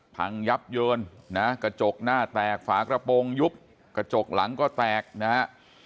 พังยับเยินนะกระจกหน้าแตกฝากระโปรงยุบกระจกหลังก็แตกนะฮะ